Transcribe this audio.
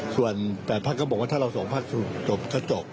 ส่วน๘พักก็บอกว่าถ้าเรา๒พักสุดจบก็จบ